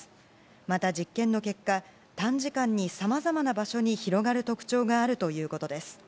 また、実験の結果短時間にさまざまな場所に広がる特徴があるということです。